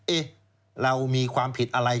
เรามีความผิดอะไร